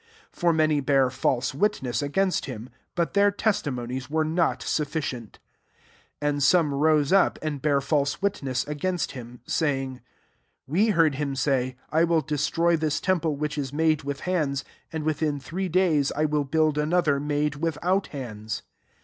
56 For many bare false witness against him, but their testimo nies were not sufficient. 57 And some rose up, aad bare £eilse witness against him^ saying, 58 W^ heard him say, I will destroy this temple which is made with hands, and within three days I wUl build another, made without liands.